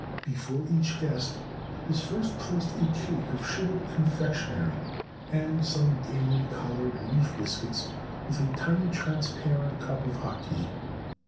Before each guest is first placed a cake of sugared confectionery and some gayly colored leaf bis cuits, with a tiny transparent cup of hot tea.